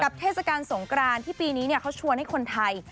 เทศกาลสงกรานที่ปีนี้เขาชวนให้คนไทย